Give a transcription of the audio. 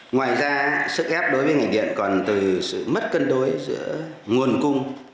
ngoài ra sức ép đối với ngành điện còn từ sự mất cân đối giữa nguồn cung